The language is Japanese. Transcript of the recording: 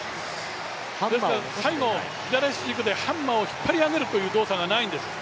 ですから最後左足軸でハンマーを引っ張り上げるという動作がないんです。